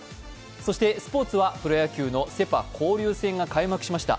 そして、スポーツはプロ野球のセ・パ交流戦が開幕しました。